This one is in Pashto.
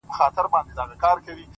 زحمت د موخو د رسېدو بیړۍ ده،